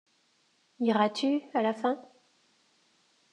Iras-tu, à la fin?